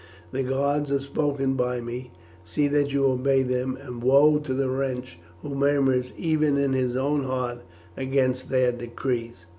The gods have spoken by me. See that you obey them, and woe to the wretch who murmurs even in his own heart against their decrees!"